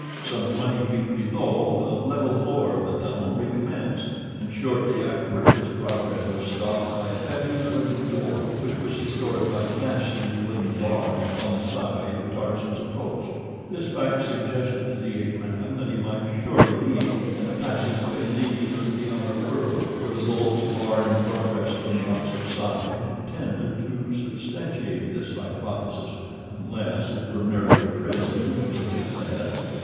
Some twenty feet below, the level floor of the tunnel recommenced, and shortly afterward his progress was stopped by a heavy wooden door which was secured by massive wooden bars upon the side of Tarzan's approach. This fact suggested to the ape man that he might surely be in a passageway leading to the outer world, for the bolts, barring progress from the opposite side, tended to substantiate this hypothesis, unless it were merely a prison to which it led.